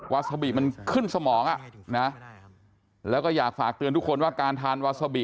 ฟื้นแล้วก็นั่งกินต่ออีกรอบ